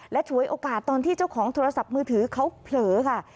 ฉวยโอกาสตอนที่เจ้าของโทรศัพท์มือถือเขาเผลอค่ะ